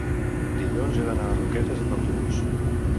dilluns he d'anar a Roquetes amb autobús.